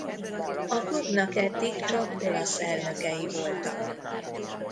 A klubnak eddig csak olasz elnökei voltak.